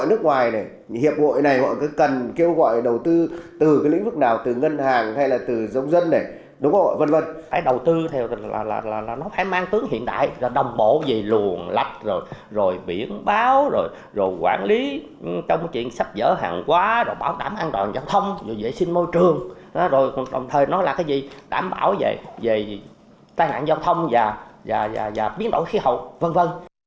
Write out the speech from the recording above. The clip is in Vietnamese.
đồng thời nó là cái gì đảm bảo về tai ngạn giao thông và biến đổi khí hậu v v